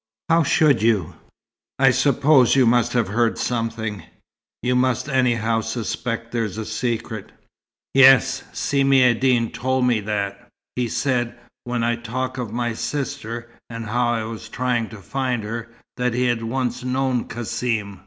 How should you? I suppose you must have heard something. You must anyhow suspect there's a secret?" "Yes, Si Maïeddine told me that. He said, when I talked of my sister, and how I was trying to find her, that he'd once known Cassim.